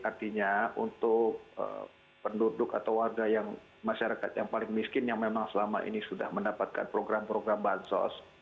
artinya untuk penduduk atau warga yang masyarakat yang paling miskin yang memang selama ini sudah mendapatkan program program bansos